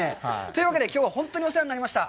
というわけで、きょうは本当にお世話になりました。